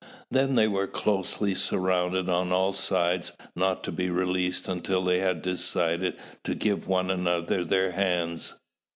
Then they were closely surrounded on all sides, not to be released until they had decided to give one another their hands.